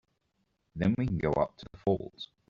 Then we can go up to the falls.